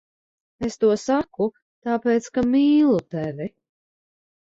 Es to saku tāpēc, ka mīlu tevi.